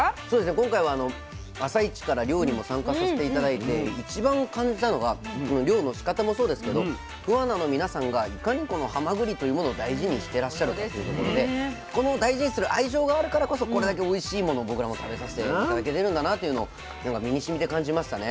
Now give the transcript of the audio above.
今回は朝イチから漁にも参加させて頂いて一番感じたのがこの漁のしかたもそうですけど桑名の皆さんがいかにこのはまぐりというものを大事にしてらっしゃるかっていうところでこの大事にする愛情があるからこそこれだけおいしいものを僕らも食べさせて頂けてるんだなというのを身にしみて感じましたね。